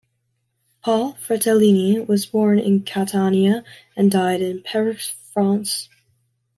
Paul Fratellini was born in Catania and died in Perreux, France.